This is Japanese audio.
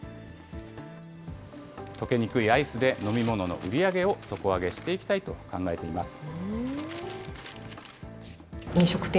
溶けにくいアイスで、飲み物の売り上げを底上げしていきたいと考えています。